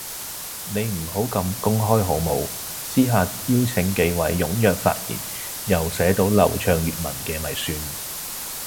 你唔好咁公開好冇，私下邀請幾位踴躍發言又寫到流暢粵文嘅咪算